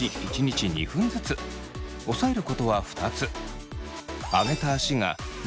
押さえることは２つ。